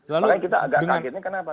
makanya kita agak kagetnya kenapa